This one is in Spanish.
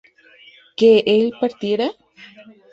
¿que él partiera?